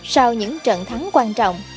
sau những trận thắng quan trọng